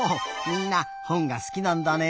みんなほんがすきなんだね。